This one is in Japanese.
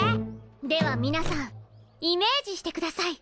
ではみなさんイメージしてください。